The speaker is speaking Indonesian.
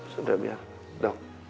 sudah biar dok